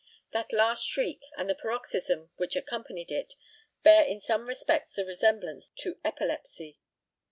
That last shriek and the paroxysm which accompanied it bear in some respects a resemblance to epilepsy.